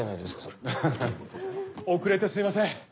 遅れてすいません！